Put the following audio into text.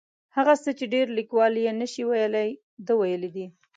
هغه څه چې ډېر لیکوال یې نشي ویلی ده ویلي دي.